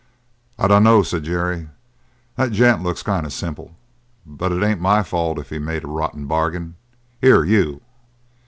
"I dunno," said Jerry. "That gent looks kind of simple; but it ain't my fault if he made a rotten bargain. Here, you!"